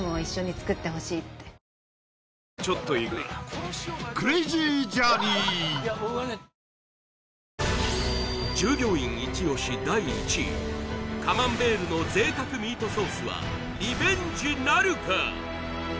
スマイル ＤＸ シリーズ！従業員イチ押し第１位カマンベールの贅沢ミートソースはリベンジなるか！？